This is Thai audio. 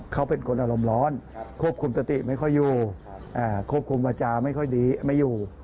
เขาเป็นคนอารมณ์ร้อนควบคุมสติไม่ค่อยอยู่ควบคุมวาจาไม่ค่อยดีไม่อยู่